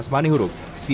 rasmani hurug cnn indonesia